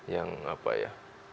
yang apa ya